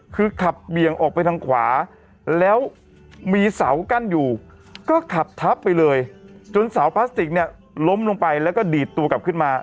คือขับเบี่ยงออกไปทางขวาแล้วมีเสากั้นอยู่ก็ขับทับไปเลยจนเสาพลาสติกเนี่ยล้มลงไปแล้วก็ดีดตัวกลับขึ้นมา